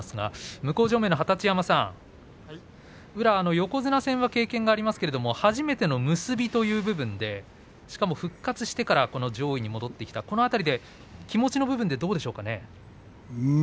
向正面の二十山さん、宇良横綱戦は経験がありますが初めての結びという部分でしかも、復活してから上位に戻ってきたこの辺り、気持ちの部分でどうでしょうかね？